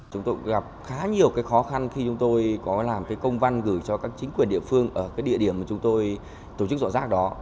chúng tôi gặp khá nhiều khó khăn khi chúng tôi có làm công văn gửi cho các chính quyền địa phương ở địa điểm mà chúng tôi tổ chức dọn rác đó